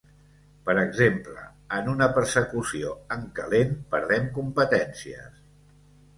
Per exemple, en una persecució en calent, perdem competències.